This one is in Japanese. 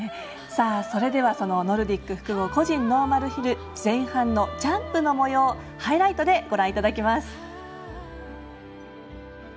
それでは、ノルディック複合個人ノーマルヒル前半のジャンプのもようハイライトでご覧いただきます。